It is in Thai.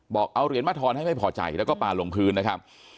บอกเอาเหรียญมาทอนให้ไม่พอใจแล้วก็ปลาลงพื้นนะครับ